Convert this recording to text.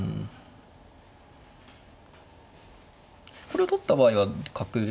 これを取った場合は角で。